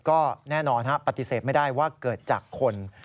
ก็แน่นอนปฏิเสธไม่ได้ว่าเกิดจากคน